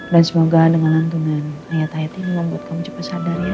dan semoga dengan lantungan ayat ayat ini membuat kamu cepat sadar ya